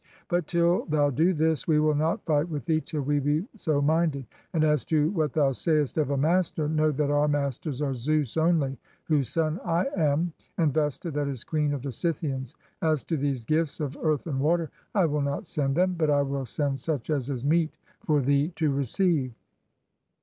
But till thou do this we will not fight with thee till we be so minded. And as to what thou say est of a master, know that our masters are Zeus only, whose son I am, and Vesta, that is Queen of the Scythians. As to these gifts of earth and water, I will not send them; but I will send such as is meet for thee to receive."